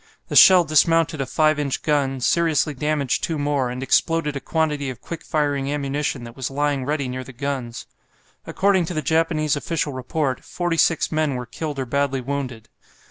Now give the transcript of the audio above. The shell dismounted a 5 inch gun, seriously damaged two more, and exploded a quantity of quick firing ammunition that was lying ready near the guns. According to the Japanese official report, forty six men were killed or badly wounded.